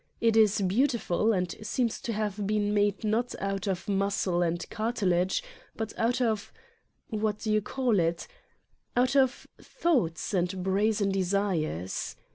It is beau tiful and seems to have been made not out of muscle and cartilage, but out of what do yon call it? out of thoughts and brazen desires.